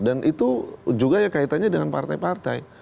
dan itu juga ya kaitannya dengan partai partai